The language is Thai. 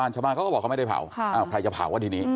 อันนี้น่ะ